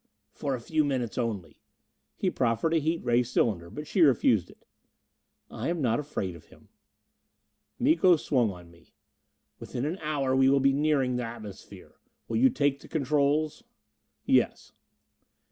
"For a few minutes only." He proffered a heat ray cylinder, but she refused it. "I am not afraid of him." Miko swung on me. "Within an hour we will be nearing the atmosphere. Will you take the controls?" "Yes."